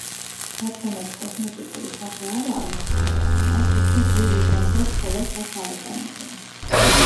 რადგანაც კოსმეტიკური სახე არაა მნიშვნელოვანი, არც უფრო ძვირ უჟანგავ ფოლადს აქ არ იყენებენ.